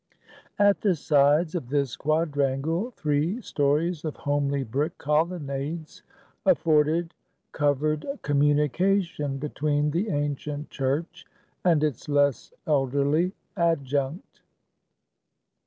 At the sides of this quadrangle, three stories of homely brick colonnades afforded covered communication between the ancient church, and its less elderly adjunct.